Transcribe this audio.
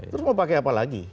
terus mau pakai apa lagi